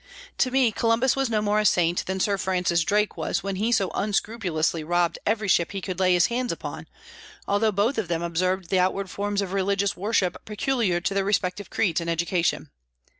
To me Columbus was no more a saint than Sir Francis Drake was when he so unscrupulously robbed every ship he could lay his hands upon, although both of them observed the outward forms of religious worship peculiar to their respective creeds and education.